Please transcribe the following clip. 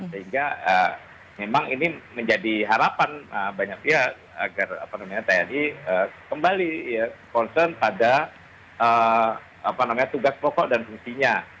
sehingga memang ini menjadi harapan banyak pihak agar tni kembali concern pada tugas pokok dan fungsinya